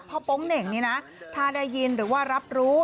โป๊งเหน่งนี่นะถ้าได้ยินหรือว่ารับรู้